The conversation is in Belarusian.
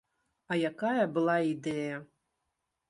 А якая была ідэя!